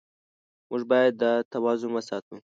موږ باید دا توازن وساتو.